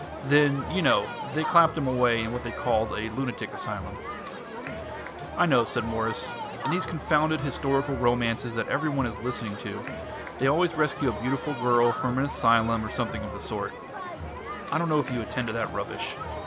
Then, you know, they clapped 'em away in what they called a lunatic asylum." "I know," said Mwres. "In these confounded historical romances that every one is listening to, they always rescue a beautiful girl from an asylum or something of the sort. I don't know if you attend to that rubbish."